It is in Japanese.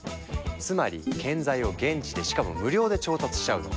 つまり建材を現地でしかも無料で調達しちゃうの。